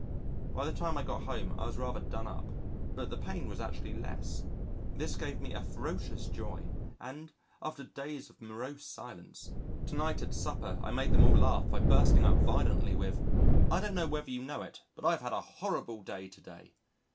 By the time I got home I was rather done up, but the pain was actually less. This gave me a furious joy, and, after days of morose silence, to night at supper I made them all laugh by bursting out violently with, "I don't know whether you know it but I've had a horrible day to day."